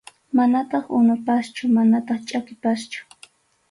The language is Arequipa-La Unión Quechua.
Manataq unupaschu manataq chʼakipaschu.